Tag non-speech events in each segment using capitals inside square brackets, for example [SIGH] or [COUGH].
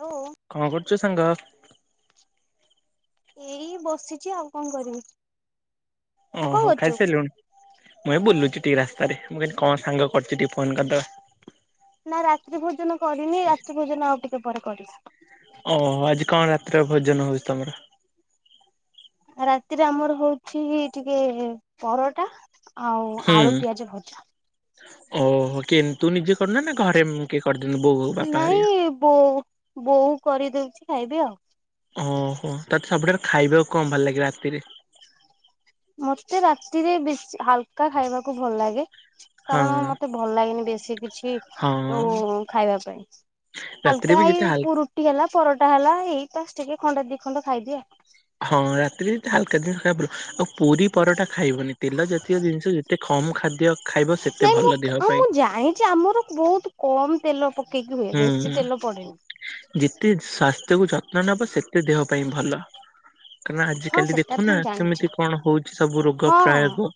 Hello କଣକରୁଚୁ ସାଙ୍ଗ? ଏଇ ବସିଛି ଆଉ କଣ କରିବି। ତୁ କଣ ଓହୋ କରୁଛୁ? ଖାଇସାରିଲୁଣି? [INAUDIBLE] ମୁଁ ଏ ବୁଲୁଚି। ଟିକେ ରାସ୍ତାରେ ମୁଁ କିି କଣ ସାଙ୍ଗ କରିୁଛି ଟିକେ ଫୋନ କରିଦେବା। ନା ରାତ୍ରି ଭୋଜନ କରିନି ରାତ୍ରି ଭୋଜନ ଆଉ ଟିକେ ପରେ କରିବି। ଓହୋ ଆଜି କଣ ରାତିରେ ଭୋଜନ ହଉଛି ତମର? [INAUDIBLE] ରାତିରେ ଆମର ହଉଛି ଟିକେ ପରଟା ଆଉ ହୁଁ ଆଳୁ ପିଆଜ ଭଜା। ଓହୋ କିଏ ତୁ ନିଜେ କରୁନ ନା ଘରେ କିଏ କରିଦିଅନ୍ତି ବୋଉ ହଉ ବାପା ହେରିକା? ନାଇଁ ବୋଉ ବୋଉ କରିଦଉଛି ଖାଇବି ଆଉ। ଓହୋ ତତେ ସବୁଠାରୁ ଖାଇବାକୁ କଣ ଭଲ ଲାଗେ ରାତିରେ? ମତେ ରାତିରେ ବେଶୀ ହାଲକା ଖାଇବାକୁ ଭଲ ଲାଗେ। ହଁ କାରଣ ମତେ ଭଲ ଲାଗନି ବେଶୀ କିଛି ହଁ ଉ ଖାଇବା ପାଇଁ। ରାତିରେ ହାଲକା ବି ଯେତେ ଏଇ ହାଲ ରୁଟି ହେଲା ପରଟା ହେଲା ଏଇ ପାଞ୍ଚ ଟିକେ ଖଣ୍ଡେ ଦି ଖଣ୍ଡ ଖାଇଦିଏ। ହଁ ରାତିରେ ହାଲକା ଜିନିଷ ଖାଇବାକୁ ପଡିବ ଆଉ ପୁରୀ ପରଟା ଖାଇବନି ତେଲ ଜାତୀୟ ଜିନିଷ ଯେତେ ଖ କମ୍ ଖାଦ୍ୟ ଖାଇବ ସେତେ ନାଇଁ ଭଲ ମୁଁ ଦେହ ପାଇଁ। ମୁଁ ଜାଣିଛି ଆମର ବହୁତ କମ ତେଲ ପ ହୁଁ ହୁଁ [INAUDIBLE] ଯେତେ ସ୍ୱାସ୍ଥ୍ୟ କୁ ଜ ନବ ସେତେ ଦେହ ପାଇଁ ଭଲ। କାନା ହଁ ଆଜିିକାଲି ସେଟା ତ ଦେଖୁନା ମୁଁ ଜାଣିଛି କେମିତି କଣ ହଉଛି ସବୁ ରୋଗ ହଁ ପ୍ରୟୋଗ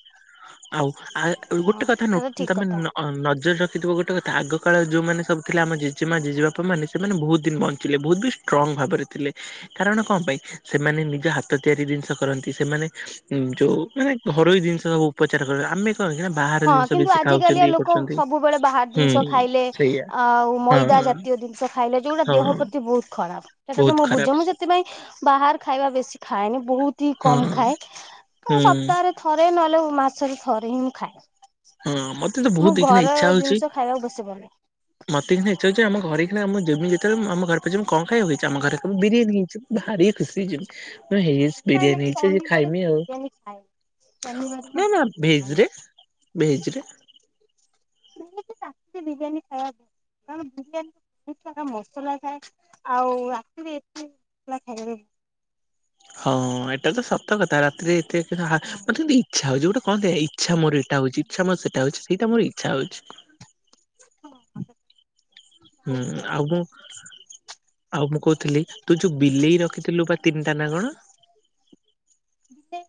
ଆଉ ଆ ହଁ ଗୋଟେ କଥା ସେଟା ତ ନ ଠିକ ତମେ କଥା ନଜର ରଖିଥିବ ଗୋଟେ କଥା ଆଗ କାଳ ଯୋଉମାନୋନ ସବୁ ଥିଲା ଆମ ଜେଜେମାଆ ଜେଜେବାପା ମାନେ ସେମାନେ ବହୁତ ଦିନ ବଞ୍ଚିଲେ ବହୁତ ବି ଷ୍ଟ୍ରଙ୍ଗ୍ ଭାବରେ ଥିଲେ। କାରଣ କଣ ପାଇଁ? ସେମାନେ ନିଜ ହାତ ତିଆରି ଜିନିଷ କରନ୍ତି। ସେମାନେ ଯୋଉ ମାନେ ଘରୋଇ ଜିନିଷ ସବୁ ଉପଚାର କରିବା ଆମେ ହ ବାହାର ହଁ ଜିନିଷ କିନ୍ତୁ ବେଶି ଆଜିକାଲିଆ ଖାଉଛନ୍ତି। ଇଏ ଲୋକ କରୁଛନ୍ତି ସବୁବେଳେ ବାହାର ହୁଁ ଜିନିଷ ଖାଇଲେ ସେଇଆ ଆଉ ହଁ ମଇଦା ଜାତୀୟ ଜିନିଷ ଖାଇଲେ ଯୋଉଗୁଡା ଦେହ ହଁ ପ୍ରତି ବହୁତ ଖରାପ। ସେଟା ତ ବହୁତ ମୁଁ ଖରାପ ବୁଝ ମୁଁ ସେଥିପାଇଁ ବାହହାର ଖାଇବା ବେଶୀ ଖାଏନି। ବହୁତ ହି ହଁ କମ ଖାଏ ହୁଁ ସପ୍ତାହରେ ଥରେ ନହେଲେ ମାସରେ ଥରେ ହିଁ ମୁଁ ଖାଏ। ହଁ ମତେ ତ ମୁଁ ବହୁତ ଏଇନା ଘର ଇଚ୍ଛା ହଉଛି ଜିନିଷ ଖାଇବାକୁ ବେଶୀ ଭଲ [INAUDIBLE] ମତେ ଏନା ଇଚ୍ଛା ଆମ ଘରେଇ ଆମ ଜମି ଯେତେବେଳେ ଆମ ଘରେ ପାଖମ କମ୍ ଖାଇବାକୁ ଇଚ୍ଛା ହେଇଛି ଆମ ଘରେ ବିରିୟାନୀ ହେଇଛି। ଭାରି ଖୁସି ହେଇ ମୁଁ ହେଇଛି ନାଇଁ ନାଇଁ ବିରିୟାନୀ ହେଇଛି ଶନିବାରେ ମୁଁ ଖାଇମି ଆଉ। [INAUDIBLE] ବିରିୟାନୀ ଖାଏ ଶନିବାର [INAUDIBLE] ମୁଁ ନାଇ ନା ବିରିୟାନୀ ଖାଏ। ଭେଜ୍‌ରେ ଭେଜ୍‌ରେ? ନିହାତି [UNINTELLIGIBLE] ବିରିୟାନୀ ଖାଇବା କଣ ବିରିୟାନୀ ବହୁତା ମସଲା ଥାଏ ଆଉ ରାତିରେ ଏ ମସଲା ଖାଇ [INAUDIBLE] ହଁ ଏଇଟା ତ ସତ କଥା ରାତିରେ ଏତେ ମତେ ଇଚ୍ଛା ହଉଛି ଗୋଟେ କଁ ଦେ ଇଚ୍ଛା ମୋର ଏଇଟା ହଉଛି ଇଚ୍ଛା ମୋ ସେଇଟା ହଉଛି ସେଇଟା ମୋର ଇଚ୍ଛା ହଉଛି। [INAUDIBLE] ହଁ। ହୁଁ ଆଉ ମୁଁ ଆଉ ମୁଁ କହୁଥିଲି ତୁ ଯୋଉ ବିଲେଇ ରଖିଥିଲୁ ବା ତିନିଟା ନା କଣ? ଦିଟା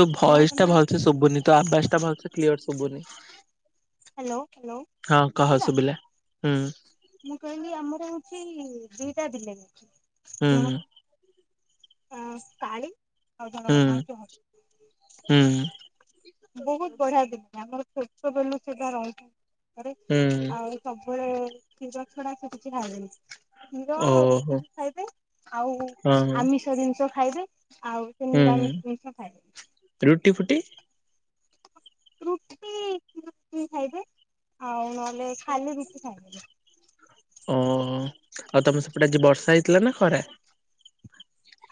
ତୋ କଣ ଭଏସ୍ ଟା କନା ଭଲସେ ହ୍ୟାଲୋ ଶୁଭୁନି ତୋ ଆଭସ୍ ଟା ଭଲସେ କ୍ଲିୟର ଶୁଭୁନି। ହ୍ୟାଲୋ ହ୍ୟାଲୋ ହଁ କହ ଶୁବିଲା। ଶୁଭିଲା। ହୁଁ। ମୁଁ କହିଲି ଆମର ହଉଛି ଦିଟା ବିଲେଇ। ହୁଁ ହୁଁ। ଅଁ କାଳି ଆଉ ହୁଁ ଜଣକ ନାଁ ହଉଛି ହୁଁ [UNINTELLIGIBLE] ବହୁତ ବଢ଼ିଆ [UNINTELLIGIBLE] ଆମର ଛୋଟବେଳୁ ସେଟା ରହିଛି। ରେ ହୁଁ। ଆଉ ସବୁବେଳେ କ୍ଷୀର ଛଡ଼ା ସେ କିଛି ଖାଇବେନି। କ୍ଷୀର ଓହୋ ରୁଟି ହଁ ଖାଇବେ ଆଉ ହଁ ଆମିଷ ଜିନିଷ ଖାଇବେ। ଆଉ ସେ ହୁଁ ନିରାମିଷ ଜିନିଷ ଖାଏନି। ରୁଟି ଫୁଟି ରୁଟି [UNINTELLIGIBLE] ଖାଇବେ ଆଉ ନହେଲେ ଖାଲି ରୁଟି ଖାଇ ଓ ଆଉ ତମେ ସେପଟେ ଆଜି ବର୍ଷା ହେଇଥିଲା ନା ଖରା।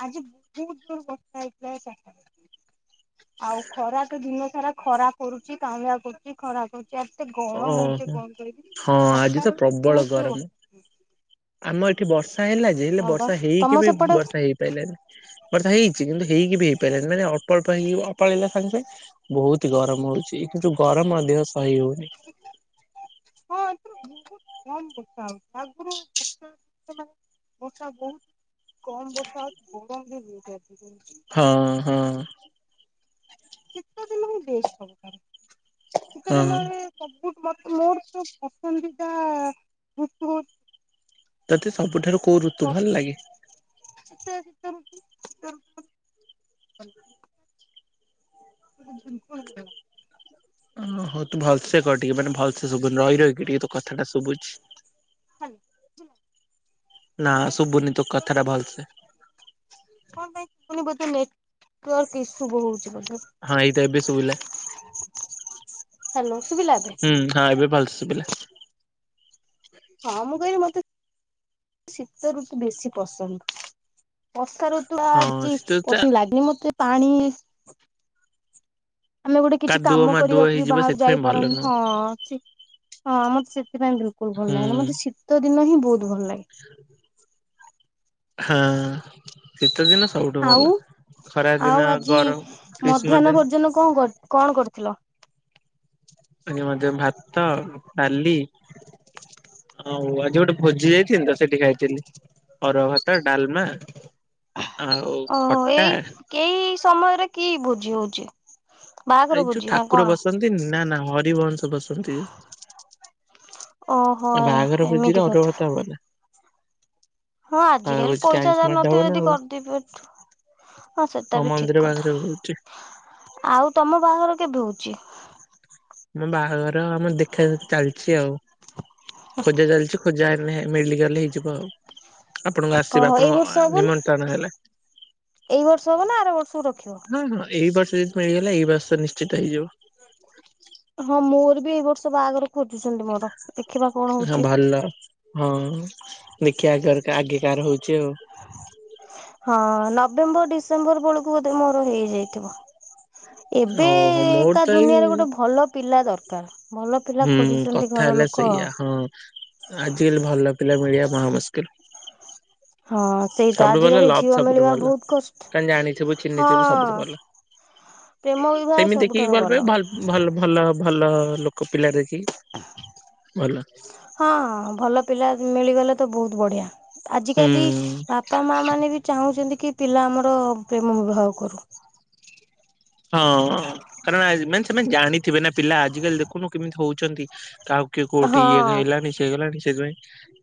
ଆଜି ବହୁତ୍ ଯୋରେ ବର୍ଷା ହେଇଥିଲା [UNINTELLIGIBLE] ଆଉ ଖରା ତ ଦିନ ସାରା ଖରା କରୁଛି କାଁଉଳିଆ କରୁଛି ଖରା କରୁ ଏତେ ଗରମ ହଉଛି ଓହୋ କଣ କହିବି ହଁ ଆଜି ଚାରିଟା ତ ବେଳ ପ୍ରବଳ ଗରମ। ବହୁତ୍ [UNINTELLIGIBLE] ଆମ ଏଠି ବର୍ଷା ହେଲା ଯେ ହେଲେ ବର୍ଷା ହେଇକି ତମ ବି ସେପଟେ ବର୍ଷା ହେଇପାରିଲାନି ବର୍ଷା ହେଇଛି କିନ୍ତୁ ହେଇକି ବି ହେଇ ପାରିଲାନି ମାନେ ଅଳ୍ପ ପାଇଁ ଅଳ୍ପ ହେଲା ସାଙ୍ଗେ ସାଙ୍ଗେ ପାଇଁ ବହୁତ ଗରମ ହଉଛି କିନ୍ତୁ ଗରମ ମଧ୍ୟ ସହି ହଉନି। [INAUDIBLE] ହଁ ଏଥର ବହୁତ କମ୍ ବର୍ଷା ଆଗରୁ ବର୍ଷା ବହୁତ୍ କମ୍ ବର୍ଷା ଗରମ [UNINTELLIGIBLE] ହଁ ହଁ। ଶୀତ ଦିନ ହିଁ ବେଷ୍ଟ୍ [UNINTELLIGIBLE] ଶୀତ ହଁ ଦିନରେ ସବୁ ମୋର ତ ପସନ୍ଦିଦା ଋତୁ ହଉଛି। ତତେ ସବୁଠାରୁ କୋଉ ମତେ ଋତୁ ଭଲ ବର୍ଷା ଲାଗେ? [UNINTELLIGIBLE] [UNINTELLIGIBLE] ଓ ହୋ ତୁ ଭଲସେ କହ ଟିକେ ମାନେ ଭଲସେ ଶୁଭୁନି ରହି ରହିକି ଟିକେ ତୋ କଥାଟା ଶୁଭୁଚି। ହ୍ୟାଲୋ। ନା ଶୁଭୁନି ତୋ କଥା ଟା ଭଲସେ। [UNINTELLIGIBLE] ବୋଧେ ନେଟୱାର୍କ ଇସୁ ବହୁତ୍। ହଁ ଏଇଟା ଏବେ ଶୁଭିଲା। ହ୍ୟାଲୋ ଶୁଭିଲା ଏବେ? ହୁଁ ହଁ ଏବେ ଭଲ ଶୁଭିଲା। ହଁ ମୁଁ କହିଲି ମତେ ଶୀତ ଋତୁ ବେଶୀ ପସନ୍ଦ। ବର୍ଷା ଋତୁ‌ ହଁ ଟା ଶୀତ ଟା ପସନ୍ଦ ଲାଗେନି ମତେ ପାଣି ଆମେ ଗୋଟେ କିଛି କାଦୁଅ କାମ ମାଦୁଅ କରିବାକୁ ବି ହେଇଯିବ ବାହାରକୁ ସେଥିପାଇଁ ଭଲ ଯାଇପାରନ୍ତୁ ନୁହଁ ହଁ ହଁ ମତେ ସେଥିପାଇଁ ଭଲ [UNINTELLIGIBLE] ହୁଁ ମତେ ଶୀତ ଦିନ ହିଁ ବହୁତ୍ ଭଲ ଲାଗେ। ହଁ ଶୀତ ଦିନ। ସବୁଠୁ ଭଲ। ଆଉ ଖରା ଦିନ ଆଉ ଆଜି ଗରମ ଗ୍ରୀଷ୍ମ ମଧ୍ୟାହ୍ନ ଦିନ ଭୋଜନ କଣ କର କଣ କରିଥିଲ? ଆଜି ମଧ୍ୟ ଭାତ ଡ଼ାଲି। ହଉ ଆଜି ଗୋଟେ ଭୋଜି ଯାଇଥିଲି ତ ସେଠି ଖାଇଥିଲି। ଅରୁଆ ଭାତ ଡାଲମା। ଆଉ ଓହୋ ଖଟା ଏଇ ଏଇ ସମୟରେ କି ଭୋଜି ହଉଛି? ବାହାଘର ଏଇ ଯୋଉ ଭୋଜି ନା କଣ? ଠାକୁର ବସନ୍ତିନି ନା ନା ହରିବଂଶ। [UNINTELLIGIBLE] ଓହୋ ବାହାଘର ଭୋଜି ଏମିତି ରେ ଅରୁଆ କଥା ଭାତ ହବନା। ହଁ ଆଜିକାଲି ପଇସା ଯାହାର ମାଡ ହବ ନଥିବେ ନା ଯଦି ଆଉ। କରି [UNINTELLIGIBLE] ହଁ ସେଟା ଆମ ବି ଠିକ୍ ମନ୍ଦିର ବାହାଘର ହଉଛି କଥା ଆଉ ତମ ବାହାଘର କେବେ ହଉଛି? ମୋ ବାହାଘର ଆମ ଦେଖାଦେଖି ଚାଲିଛି ଆଉ। ଖୋଜା ଚାଲିଛି ଖୋଜା ହେନେ ମିଳିଗଲେ ହେଇଯିବ ଆଉ। ଆପଣଙ୍କୁ, ଆସିବ ଓହୋ ଏଇ ଆପଣ ବର୍ଷ ହବ ନା ନିମନ୍ତ୍ରଣ ହେଲା। ଏଇ ବର୍ଷ ହବ ନା ଆର ବର୍ଷକୁ ରଖିବ? ହଁ ହଁ ଏଇ ବର୍ଷ ଯଦି ମିଳିଗଲା। ଏଇ ବର୍ଷ ତ ନିଶ୍ଚିତ ହେଇଯିବ। ହଁ, ମୋର ବି ଏଇ ବର୍ଷ ବାହାଘର ଖୋଜୁଛନ୍ତି ମୋର। ଦେଖିବା କଣ ହଁ, ହଉଛି। ଭଲ। ହଁ, ଦେଖିବା ଘର ଆଗେ କାର ହଉଛି? ଚିଓ ହଁ, ନଭେମ୍ବର ଡିସେମ୍ବର ବେଳକୁ ବୋଧେ ମୋର ହେଇଯାଇଥିବ? ଓହୋ ଏବେ-ଏ ମୋର କା ତ ଏଇ ଦୁନିଆରେ ଗୋଟେ ଭଲ ପିଲା ଦରକାର। ଭଲ ପିଲା ହୁଁ, ଖୋଜୁଛନ୍ତି କଥା ଘର ହେଲା ଲୋକ। ସେଇଆ। ହଁ, ଆଜିକାଲି ଭଲପିଲା ମିଳିବା ମହାମୁସ୍କିଲ। ହଁ ସେଇଟା ସବୁଠୁ ଭଲ ଆଜିକାଲି ଲଭ! ଝିଅ ସବୁଠୁ ମିଳିବା ଭଲ ବହୁତ କଷ୍ଟ। କଣ, ଜାଣିଥିବୁ, ଚିହ୍ନିଥିବୁ, ସବୁଠୁ ହଁ ଭଲ। ପ୍ରେମ ବିବାହ ସେମିତି ଦେଖିକି ସବୁଠାରୁ ଭଲ ପାଇବୁ। ଭଲ୍ ଭଲ୍ ଭଲ-ଅ ଭଲ ଲୋକ ପିଲା ଦେଖି, ଭଲ। ହଁ ଭଲ ପିଲା ମିଳିଗଲେ ତ ବହୁତ ବଢ଼ିଆ। ଆଜିକାଲି ହୁଁ। ବାପା ମା ମାନେ ବି ଚାହୁଁଛନ୍ତି କି ପିଲା ଆମର ପ୍ରେମ ବିବାହ କରୁ। ହଁ, କାରଣ ମାନେ ସେମାନେ ଜାଣିଥିବେ ନା, ପିଲା ଆଜିକାଲି ଦେଖୁନୁ କେମିତି ହଉଛନ୍ତି। କାହାକୁ କିଏ କୋଉଠି! ହଁ ଇଏ ହେଲାଣି, ସିଏ ହେଇଗଲାଣି ସେଥିପାଇଁ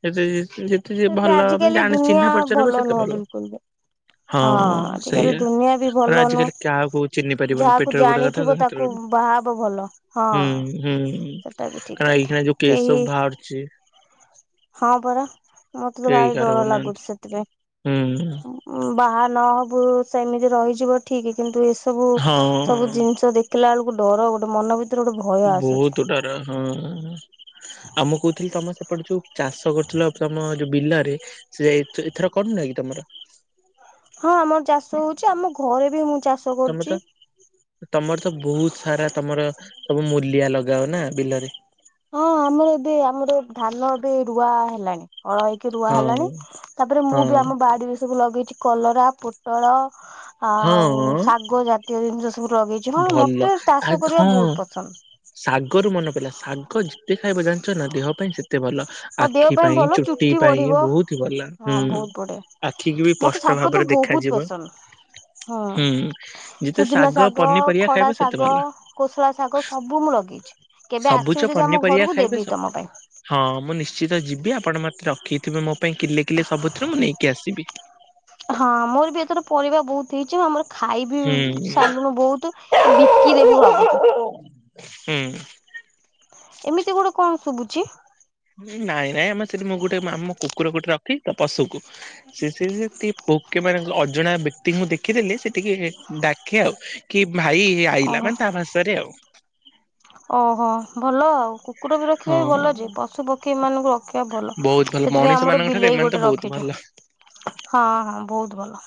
ଏତେ ଇଏ। ଯେତେ ଯିଏ ଏବେ ଭଲ ଆଜିକାଲି ଜାଣେ, ଦୁନିଆ ଚିହ୍ନା ପରିଚୟ ରହିବ ସେତେ ନୁହଁ ଭଲ। ବିଲକୁଲ ବି। ହଁ, ଆଜିକାଲି ସେଇଆ। ଦୁନିଆ ବି ଭଲ ନୁହଁ। ଆଜିିକାଲି କାହା କହୁ ଚିହ୍ନି ପାରିବୁନୁ। ଯାହାକୁ ପେଟର ଗୋଟେ କଥା ଜାଣିଥିବ ତାକୁ ହାତର ଗୋଟେ। ବାହା ହବ ଭଲ। ହଁ ହୁଁ, ସେଟା ବି ହୁଁ ଠିକ କାର କଥା। ଏଇଖିଣା ଯଉ କେସ କେହି ସବୁ ବାହାରୁଛି? ହଁ, ପରା ମତେ ତ କେହି ଭାରି କାହାର ଡର ହଉନାହାନ୍ତି। ଲାଗୁଛି ସେଥିପାଇଁ। ହୁଁ ଉଁ ବାହା ନହବୁ ସେମିତି ରହିଯିବ। ଠିକ୍ କିନ୍ତୁ ଏସ୍ ସବୁ ସବୁ ହଁ ଜିନିଷ ଦେଖିଲା ବେଳକୁ ଡର, ଗୋଟେ ମନ ଭି ବହୁତ ଡର ହଁ-ଅ। ଆଉ ମୁଁ କହୁଥିଲି, ତମେ ସେପଟେ ଯୋଉ ଚାଷ କରୁଥିଲ ତମ ଯୋଉ ବିଲରେ ସେ ଯାଇ ଏଥର କଣ ନାଇକି ତମର। ହଁ ଆମର ଚାଷ ହଉଛି। ଆମ ଘରେ ବି ମୁଁ ଚାଷ ତମର ତ କରୁଛି। ତମର ତ ବହୁତ ସାରା ତମର ସବୁ ମୂଲିଆ ଲଗାଅ ନା ବିଲରେ। ହଁ, ଆମର ଏବେ ଆମର ଧାନ ଏବେ ରୁଆ ହେଲାଣି। ଅଳ ହେଇକି ରୁଆ ହଁ ହେଲାଣି, ତାପରେ ମୁଁ ହଁ ବି ଆମ ବାଡିରେ ସବୁ ଲଗେଇଛି। କଲରା, ପୋଟଳ, ହଁ ଆଉ ଶାଗ ଜାତୀୟ ଜିନିଷ ସ ତୁରଗେଇଛୁ। ହଁ ଭଲ ମତେ ଆ ତାଷ କରିବା ହଁ ବହୁତ ପସନ୍ଦ। ଶାଗରୁ ମନ ପଇଲା ଶାଗ ଯେତେ ଖାଇବ ଜାଣିଛ ନା, ଦେହ ପାଇଁ ସେତ ତେ ଭଲ ଆଉ ଦେହ ଆଖି ପାଇଁ, ଭଲ ଚୁଟି ପାଇଁ, ବଢିବ ବହୁତ ହି ଭଲ। ହଁ ହୁଁ, ବହୁତ ବଢିଆ। ଆଖିକୁ ବି ମତେ ପଷ୍ଟ ଶାଗ ତ ଭାବରେ ବହୁତ ଦେଖାଯିବ। ପସନ୍ଦ ହୁଁ ଯେତେ ଶାଗ ଗ, ପନିପରିବା ଖଡା ଖାଇବେ ସେତେ ଶାଗ, ଭଲ କୋସଳା ଶାଗ, ସବୁ ମୁଁ ଲଗେଇଛି। କେବେ ସବୁଜ ଆସିବୁ ଯଦି ଆମ ପନିପରିବା ଘରକୁ ଦେବି। ଖାଇବେ ବି ସବୁ ତମ ପାଇଁ। ହଁ, ମୁଁ ନିଶ୍ଚିତ ଯିବି। ଆପଣ ମତେ ରଖିଥିବେ ମୋ ପାଇଁ କିଲେ କିଲେ ସବୁଥୁରୁ, ମୁଁ ନେଇକି ଆସିବି। ହଁ, ମୋର ବି ଏଥର ପରିବା ବହୁତ ହେଇଛି ଆମର ଖାଇ ବିି ହୁଁ ସାରିଲୁଣୁ ବହୁତ। ବିକି ଦେବୁ ଭାବୁଛୁ! ହୁଁ, ଏମିତି ଗୋଟେ କଣ ଶୁଭୁଛି? ନାଇଁ ନାଇଁ ଆମେ ସେଠି, ମୁଁ ଗୋଟେ ଆମ କୁକୁର ଗୋଟେ ରଖି ପଶୁକୁ ସେ-ସେ ଯେତି ଭୋକେ ମାନେ ଅଜଣା ବ୍ୟକ୍ତିଙ୍କୁ ଦେଖିଦେଲେ, ସେ ଟିକେ ଡାକେ ଆଉ କି ଭାଇ ଆଇିଲା ଓହୋ ମାନେ, ତା ଭାଷାରେ ଆଉ। ଓହୋ ଭଲ ଆଉ, କୁକୁର ବି ରଖିବା ବି ହଁ। ଭଲଯେ। ପଶୁ ପକ୍ଷୀ ମାନଙ୍କୁ ର ରଖିଆ ଭଲ। ବହୁତ ଭଲ ସେଥିପାଇଁ ମଣିଷ ଆମର ମାନଙ୍କ ଠାରୁ ବିଲେଇ ଏମାନେ ତ ଗୋଟେ ବହୁତ ରଖିଛୁ। ଭଲ ହଁ ହଁ ବହୁତ ଭଲ।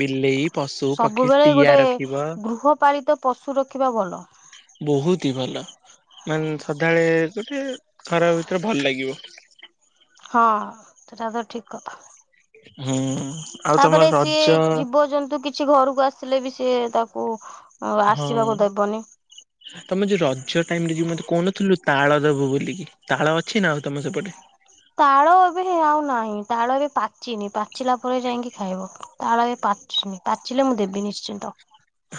ବିଲେଇ, ପଶୁ, ପକ୍ଷୀ, ସବୁବେଳେ ଟିଆ ଗୋଟେ ରଖିବ। ଗୃହପାଳିତ ପଶୁ ରଖିବା ଭଲ ବହୁ ତି ଭଲ। ମାନ ସଦାବେଳେ ଗୋଟେ ଘର ଭିତରେ ଭଲ ଲାଗିବ। ହଁ ସେଟା ତ ଠିକ କଥା। ହଁ। ତାପରେ ସିଏ ଜୀବଜନ୍ତୁ କିଛି ଘରକୁ ଆସିଲେ ବି ସିଏ ତାକୁ ଓ ଆସିବାକୁ ଦେବନି। ତୋମେ ଯୋଉ ରଜ ଟାଇମ୍ ରେ ଯୋଉ ମୋତେ କହୁନଥୁଲୁ ତାଳ ଦବୁ ବୋଲିକି, ତାଳ ଅଛି ନା ଆଉ ତୋମ ସେପଟେ? ତାଳ ଏବେ ହେ ଆଉ ନାହିଁ। ତାଳ ଏବେ ପାଚିନି ପାଚିଲା ପରେ ଯାଇକି ଖାଇବ। ତାଳ ଏବେ ପା ପାଚନି, ପାଚିଲେ ମୁଁ ଦେବି ନିଶ୍ଚିନ୍ତ।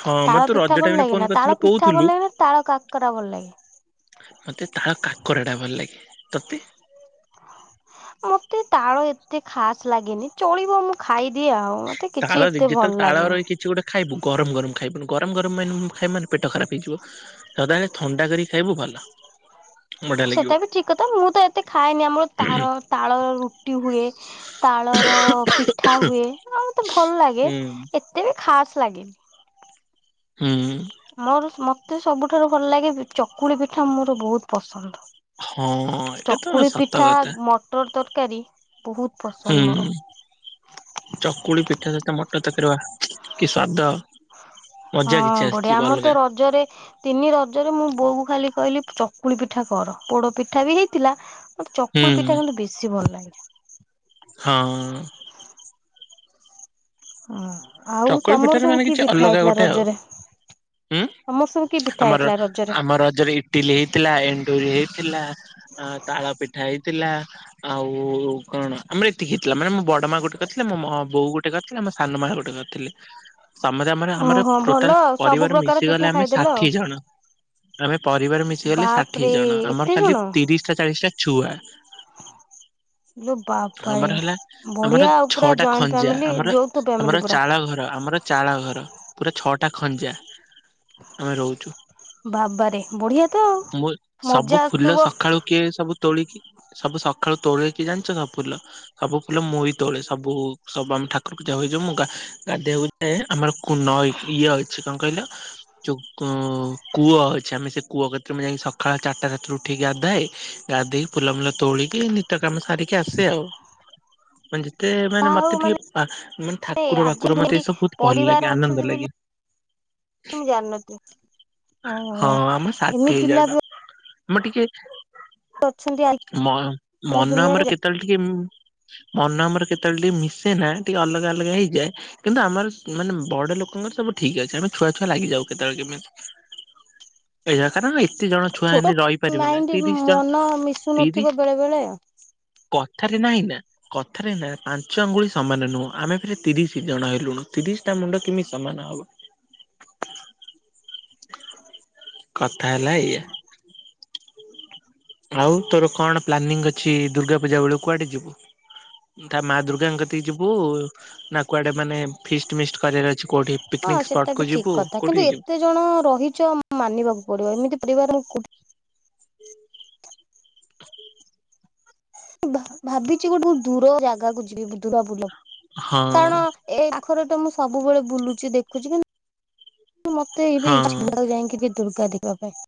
ହଁ ମତେ ତୁ ତାଳ ରଜ ପିଠା ଟାଇମ ଭଲ ରେ ଲାଗେ ଫୋନ ନା? କରିଥିଲୁ ତାଳ ପିଠା ଭଲ କହୁଥିଲୁ ଲାଗେ ନା? ତାଳ କାକରା ଭଲ ଲାଗେ? ମୋତେ ତାଳ କାକରା ଟା ଭଲ ଲାଗେ। ତୋତେ? ମୋତେ ତାଳ ଏତେ ଖାସ୍ ଲାଗେନି। ଚଳିବ ମୁଁ ଖାଇଦିଏ ଆଉ। ମୋତେ ତାଳ ଯେ-ଯେତେବେଳେ ତାଳ ର ଏଇ କିଛି ଗୋଟେ ଖାଇବୁ ଗରମ ଗରମ ଖାଇବୁନୁ। ଗରମ ଗରମ ମାନୁ ଖାଇବୁ ମାନେ ପେଟ ଖରାପ। ହେଇଯିବ। ସଦାବେଳେ ଥଣ୍ଡା କରିକି ଖାଇବୁ ଭଲ। ବଢିଆ ଲାଗିବ ସେଟା ବି ଠିକ କଥା। ମୁଁ ତ ଏତେ ଖାଏନି ଆମର ତାର ତାଳ ରୁଟି ହୁଏ। ତାଳ ର ପିଠା ହୁଏ। ଆଉ ତ ଭଲ ଲାଗେ। ହୁଁ ଏତେ ବି ଖାସ୍ ଲାଗେନି। ହୁଁ। ମୋର ମୋତେ ସବୁଠାରୁ ଭଲ ଲାଗେ ଚକୁଳି ପିଠା ମୋର ବହୁତ ପସନ୍ଦ। ହଁ। ଏଇଟା ତ ଚକୁଳି ସତ ପିଠା, କଥା ମଟର ତରକାରୀ। ବହୁତ ହୁଁ, ପସନ୍ଦ ମୋର ଚକୁଳି ପିଠା ସହିତ ମଟର ତରକାରୀ ବାଃ କି ସ୍ଵାଦ। ମଜା ହଁ କିଛି ବଢିଆ ଆସିଯିବ ଆମ ତ ଅଲଗା ରଜରେ ତିନି ରଜରେ ମୁଁ ବୋଉ ଖାଲି କହିଲି ଚକୁଳି ପିଠା କର। ପୋଡ ପିଠା ବି ହେଇଥିଲା। ମୋତେ ହୁଁ ଚକୁଲ ପିଠା କିନ୍ତୁ ବେଶୀ ଭଲ ଲାଗେ। ହଁ। ହଁ ଆଉ ଚକୁଳି ତୋମର ପିଠାରେ ମାନେ ସବୁ କି କିଛି ପିଠା ଅଲଗା ହେଇଥିଲା ଗୋଟେ ଆଉ ରଜରେ? ହୁଁ। ତୋମସ ଆମର ଆମ ରଜରେ ଇଟିଲି ହେଇଥିଲା। ଏଣ୍ଡୁରି ହେଇଥିଲା। ଅଁ, ତାଳ ପିଠା ହେଇ ଥିଲା, ଆଉ କଣ ଆମର ଏତିକି ହେଇଥିଲା। ମାନେ ମୋ ବଡ ମା ଗୋଟେ କରିଥିଲେ। ମୋ ମୋ ବୋଉ ଗୋଟେ କରିଥିଲା। ମୋ ସାନ ମା ଗୋଟେ କୋର ସମସ୍ତେ ଆମର ଆମର ଓହୋ ଭଲ ଟୋଟାଲ ଆଉ ସବୁ ପରିବାର ପ୍ରକାର ପିଠା ମିଶିଗଲେ ଆମେ ଖାଇଦେଲ ଆଉ। ଷାଠିଏ ଜଣ। ଆମେ ପରିବାର ମିଶିଗଲେ ଷାଠିଏ ବାପରେ ଜଣ। ଏତେ ଆମର ଖାଲି ଜଣ ତିରିଶ ଟା ଚାଳିଶ ଟା ଛୁଆ। ଇଲୋ ବାବାରେ। ଆମର ହେଲା ବଢିଆ ଆମର ଆଉ ପୁରା ଛଅଟା ଜଏଣ୍ଟ ଖଞ୍ଜା। ଫ୍ୟାମିଲି ଆମର ଯୌଥ ଫ୍ୟାମିଲି ଆମର ପୁରା। ଚାଳ ଘର। ଆମର ଚାଳ ଘର। ପୁରା ଛଅଟା ଖଞ୍ଜା। ଆମେ ରହୁଚୁ। ବାବାରେ ବଢିଆ ତ ଆଉ ମୁଁ ସବୁ ମଜା ଫୁଲ ଆସୁଥିବ ସକାଳୁ କିଏ ସବୁ ତୋଳିକି ସବୁ ସକାଳୁ ତୋଳେ ଜାଣିଚ ସବୁ ଫୁଲ? ସବୁ ଫୁଲ ମୁଇ ତୋଳେ ସବୁ ସବା ମୁଁ ଠାକୁର ପୂଜା ହୁଏ ଯୋଉ ମୁଁ ଗା-ଗାଧେଇବାକୁ ଯାଏ ଆମର କୁ - ନଈ ଇଏ ଅଛି କଣ କହିଲ ଚୁ କୋ କୂଅ ଅଛି। ଆମେ ସେ କୂଅ କ ତ ମୁଁ ଯାଇକି ସକାଳ ଚାରଟା ରାତିରେ ଉଠିକି ଗାଧାଏ। ଗାଧେଇ ଫଲ ମୁଲ ତୋଳିକି ନିିତ କାମ ସାରିକି ଆସେ। ଆଉ, [UNINTELLIGIBLE] ତେ ମାନେ ଯାହା ହଉ ମୋତେ ଟିକେ ମାନେ ଆ, ମାନେ ଠାକୁର ଆଜି ବାକୁର ମୋତେ ଏମିତି ଏସବୁ ବହୁତ ଭଲ ପରିବାର ଲାଗେ, ଅଛନ୍ତି ଆନନ୍ଦ ବୋଲି ଲାଗେ। ମୁଁ ଜାଣନ [INAUDIBLE] ଅ, ଓ ଏମିତି ଏଇ ପିଲା ଜାଗା ବି ଟା ମୁଁ ଟିକେ ଅଛନ୍ତି ମ ଆଜିକାଲି ମନ ଦୁନିଆରେ ଆମର କେତେବେଳେ ଟିକେ ଉଁ, ମନ ଆମର କେ ତେବେଳେ ଟିକେ ମିଶେନା ଟିକେ ଅଲଗା ଅଲଗା ହେଇଯାଏ। କିନ୍ତୁ ଆମର ମାନେ ବଡ ଲୋକଙ୍କର ସବୁ ଠିକ୍ ଅଛି। ଆମେ ଛୁଆ ଛୁଆ ଲାଗିଯାଉ କେତେବେଳେ କେମିତି। ଏଇ ଜାକାରା ଏତେ ଜଣ ଛୁଆ ଛୋଟ ହେନେ ରହିପାରିବେ ନା। ମାଇଣ୍ଡ ତିରିଶ ମନ ଜଣ ମିଶୁନଥିବ ତିରିଶ ବେଳେ ବେଳେ। କ ଥାରେ ନାଇଁ ନା କଥାରେ ନା ପାଞ୍ଚ ଆଙ୍ଗୁଳି ସମାନ ନୁହଁ। ଆମେ ଫେର ତିରିଶ ଜଣ ହେଲୁଣୁ। ତିରିଶ ଟା ମୁଣ୍ଡ କିମିତି ସମାନ ହବ? କଥା ହେଲା ଏୟା। ଆଉ ତୋର କଣ ପ୍ଲାନିଂ ଅଛି, ଦୁର୍ଗା ପୂଜା ବେଳକୁ କୁଆଡେ ଯିବୁ? ତା ମା ଦୁର୍ଗାଙ୍କ କତିକି ଯିବୁ, ନା କୁଆଡେ ମାନେ ଫିଷ୍ଟ ମିଷ୍ଟ କରିବାର ଅଛି? କୋଉଠି ହଁ ପିକନିକ ସ୍ପଟ ସେଟା କୁ ବି ଠିକ ଯିବୁ କଥା। କିନ୍ତୁ କୋଉଠିକି ଯିବୁ? ଏତେ ଜଣ ରହିଚ ମାନିବାକୁ ପଡିବ ଏମିତି ପରିବାର ମୁଁ କୋଉ [INAUDIBLE] ଭାବିଛିି ଗୋଟେ, ଦୂର ଜାଗାକୁ ଯିବି। [UNINTELLIGIBLE] ହଁ କାରଣ ଏ ପାଖରେ ତ ମୁଁ ସବୁବେଳେ ବୁଲୁଛି ଦେଖୁଛି କିନ୍ତୁ କିନ୍ତୁ ମତେ ଏବେ ଇଚ୍ଛା ହଁ। [UNINTELLIGIBLE] ଯାଇକି ଦୁର୍ଗା ଦେବା ପାଇଁ।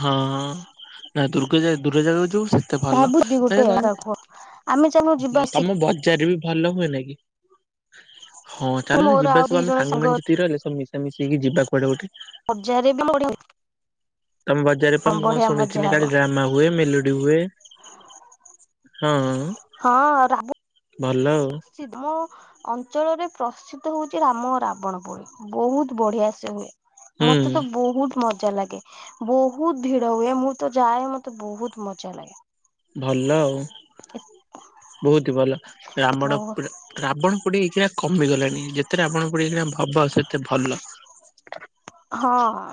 ହଁ ନା ଦୁର୍ଗା ଯାଗ ଦୂର ଜାଗାକୁ ଯିବୁ। ସେତେ ଭଲ ଭାବୁଛି ଗୋଟେ ଜାଗାକୁ ଆମେ ଚାଲୁନୁ ଯିବା [UNINTELLIGIBLE] ତମ ମିଶିକି ବଜାର ବି ଭଲ ହୁଏ ନାଇ କି, ହଁ ଚାଲୁନ ମୋର ଯିବା ଆଉ ସବୁ ଦି ଆମେ ଜଣ ସାଙ୍ଗ ସାଙ୍ଗମାନେ ଯେତିକି ରହିଲେ ସବୁ ମିଶା ମିଶି ହେଇକି ଯିବା କୁଆଡ଼େ ଗୋଟେ? ଅଜା ଘରେ ବି। [UNINTELLIGIBLE] ତମ ବଜାରରେ ପା ମୁଁ କଣ ବଢିଆ ମଜା ଶୁଣିଥିଲି, ହବ କାଲି ଡ୍ରାମା ହୁଏ ମେଲୋଡି ହୁଏ। ହଁ। ହଁ ରାହୁ ଭଲ ଆଉ। [UNINTELLIGIBLE] ମୁଁ। ଅଞ୍ଚଳରେ ପ୍ରସିଦ୍ଧ ହଉଛି ରାମ ରାବଣ ପୋଡି, ବହୁତ ବଢିଆ ସେ ହୁଏ। ହୁଁ ମତେ ତ ବହୁତ ମ ମଜା ଲାଗେ, ବହୁତ ଭିଡ ହୁଏ, ମୁଁ ତ ଯାଏ ମତେ ବହୁତ ମଜା ଲାଗେ। ଭଲ ଆଉ। ବହୁତି ଭଲ [UNINTELLIGIBLE] ରାବଣ ଗୋଟେ ଇଚ୍ଛା କମି ଗଲାଣି। ଯେତେ ରାବଣ ପୋଡି ହେଲେ ହବ ସେତେ ଭଲ। ହଁ